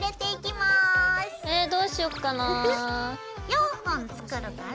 ４本作るから。